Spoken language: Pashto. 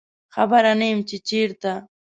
خبر نه یمه چې چیرته